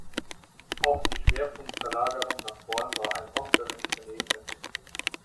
Auch die Schwerpunktverlagerung nach vorn war ein oft erwünschter Nebeneffekt.